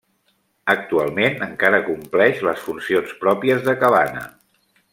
Actualment encara compleix les funcions pròpies de cabana.